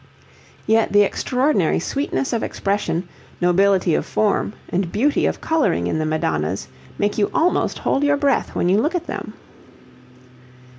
Yet the extraordinary sweetness of expression, nobility of form, and beauty of colouring in the Madonnas make you almost hold your breath when you look at them.